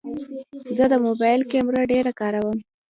زه د موبایل کیمره ډېره کاروم.